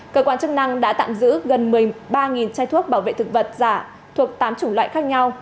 cơ quan chức năng đã tạm giữ gần một mươi ba chai thuốc bảo vệ thực vật giả thuộc tám chủng loại khác nhau